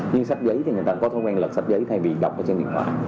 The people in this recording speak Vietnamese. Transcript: nhưng sách giấy thì người ta có thói quen lập sách giấy thay vì đọc ở trên điện thoại